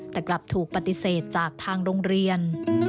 แต่กลับถูกปฏิเสธจากทางโรงเรียน